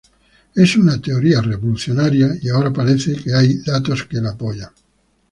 Es una teoría revolucionaria y ahora parece haber datos que la apoyan.